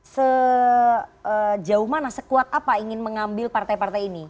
sejauh mana sekuat apa ingin mengambil partai partai ini